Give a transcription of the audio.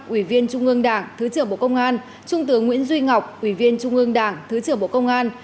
ủy viên trung ương đảng thứ trưởng bộ công an trung tướng nguyễn duy ngọc ủy viên trung ương đảng thứ trưởng bộ công an